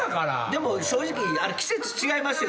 でも正直季節違いますよ